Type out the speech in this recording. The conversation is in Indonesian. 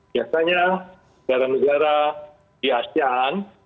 biasanya negara negara di asean